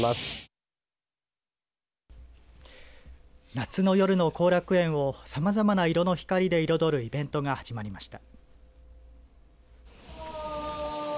夏の夜の後楽園をさまざまな色の光で彩るイベントが始まりました。